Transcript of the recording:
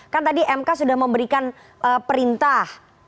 kan tadi mk sudah memberikan perintah